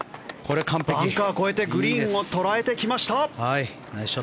バンカーを越えてグリーンを捉えてきました。